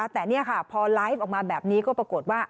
แต่นี่ค่ะพอไลฟ์ออกมาแบบนี้ก็ปรากฏว่า